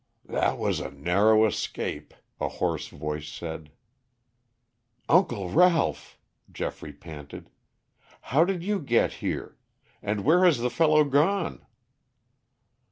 "That was a narrow escape," a hoarse voice said. "Uncle Ralph!" Geoffrey panted. "How did you get here? And where has the fellow gone?"